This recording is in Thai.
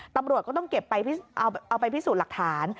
ตำรวจก็ต้องเก็บเอาไปพิสูจน์หลักฐาน